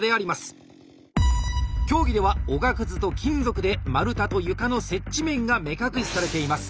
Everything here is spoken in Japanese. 競技ではおがくずと金属で丸太と床の接地面が目隠しされています。